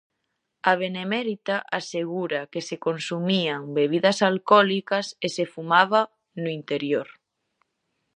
A Benemérita asegura que se consumían bebidas alcohólicas e se fumaba no interior.